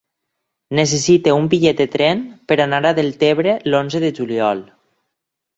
Necessito un bitllet de tren per anar a Deltebre l'onze de juliol.